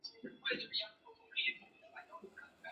应天府乡试第六名。